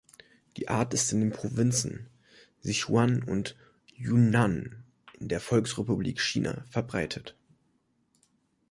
Die Art ist in den Provinzen Sichuan und Yunnan in der Volksrepublik China verbreitet.